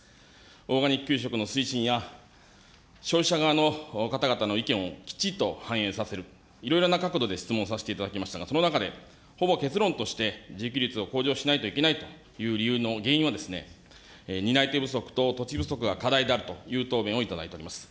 オーガニック給食の推進や、消費者側の方々の意見をきちっと反映させる、いろいろな角度で質問させていただきましたが、その中でほぼ結論として、自給率を向上しないといけないというは、担い手不足と、土地不足が課題であるという答弁をいただいております。